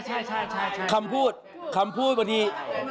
ใช่คำพูดคำพูดวันนี้